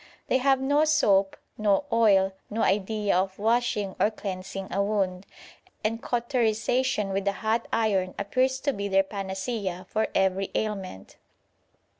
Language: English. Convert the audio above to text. They have no soap, no oil, no idea of washing or cleansing a wound, and cauterisation with a hot iron appears to be their panacea for every ailment.